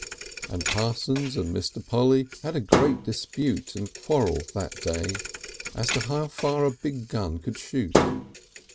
And Parsons and Mr. Polly had a great dispute and quarrel that day as to how far a big gun could shoot.